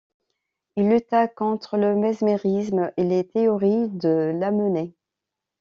Il lutta contre le mesmérisme et les théories de Lamennais.